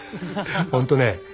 本当ね